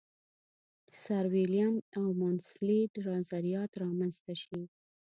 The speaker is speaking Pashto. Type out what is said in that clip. سرویلیم مانسفیلډ نظریات را منځته شي.